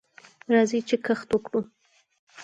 راځئ چې کښت وکړو.